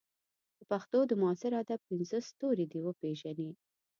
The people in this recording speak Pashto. د پښتو د معاصر ادب پنځه ستوري دې وپېژني.